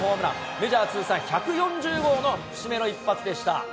メジャー通算１４０号の節目の一発でした。